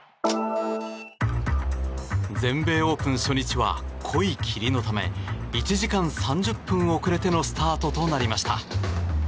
全米オープン初日は濃い霧のため１時間３０分遅れてのスタートとなりました。